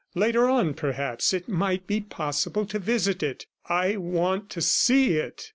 Later on, perhaps, it might be possible to visit it. "I want to see it!"